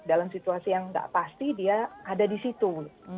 dalam situasi yang nggak pasti dia ada di situ